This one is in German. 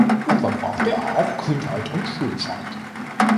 Hier verbrachte er auch Kindheit und Schulzeit.